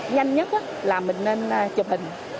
nhanh nhất là mình nên chụp hình